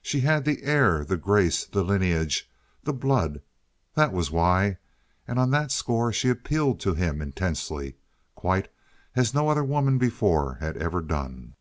She had the air, the grace, the lineage, the blood—that was why; and on that score she appealed to him intensely, quite as no other woman before had ever done.